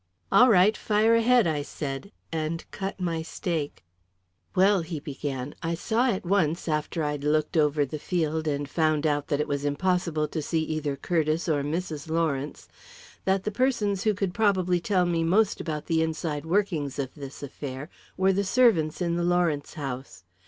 "All right; fire ahead," I said, and cut my steak. "Well," he began, "I saw at once, after I'd looked over the field and found out that it was impossible to see either Curtiss or Mrs. Lawrence, that the persons who could probably tell me most about the inside workings of this affair were the servants in the Lawrence house.